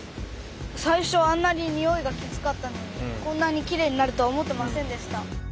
最初はあんなににおいがきつかったのにこんなにきれいになるとは思ってませんでした。